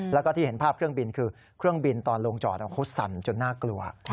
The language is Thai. แล้วก็ที่เห็นภาพเครื่องบินคือเครื่องบินตอนลงจอดเขาสั่นจนน่ากลัว